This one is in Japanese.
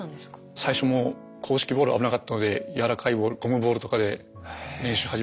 最初もう硬式ボールは危なかったので軟らかいボールゴムボールとかで練習始めて